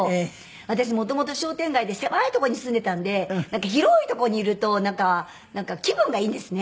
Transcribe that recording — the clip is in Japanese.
私もともと商店街で狭いとこに住んでたんで広いとこにいるとなんか気分がいいんですね。